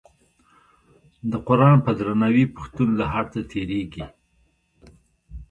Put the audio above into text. د قران په درناوي پښتون له هر څه تیریږي.